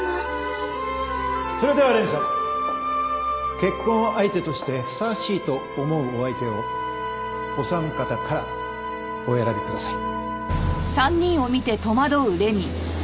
それでは麗美さん結婚相手としてふさわしいと思うお相手をお三方からお選びください。